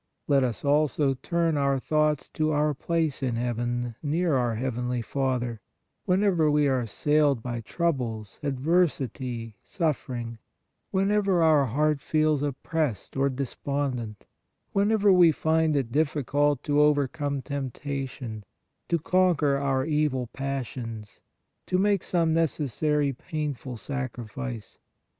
Let us also turn our thoughts to " our place in heaven " near our heavenly Father, whenever we are assailed by trou bles, adversity, suffering; whenever our heart feels oppressed or despondent; whenever we find it diffi cult to overcome temptation, to conquer our evil pas sions, to make some necessary painful sacrifice.